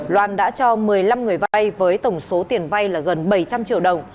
loan đã cho một mươi năm người vay với tổng số tiền vay là gần bảy trăm linh triệu đồng